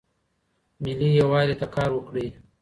ملي یووالي ته کار وکړئ.